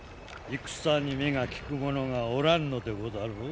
戦に目が利く者がおらぬのでござろう。